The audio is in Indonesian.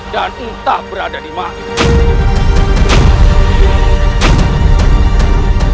dan entah berada dimana